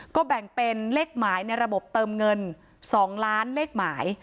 ก็แบ่งเป็นเลขหมายในระบบเติมเงิน๒ล้านเลขหมาย